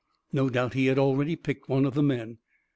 No doubt he had already picked one of the men.